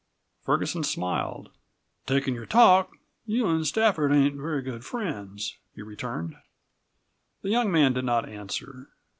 Ferguson smiled. "Takin' your talk, you an' Stafford ain't very good friends," he returned. The young man did not answer.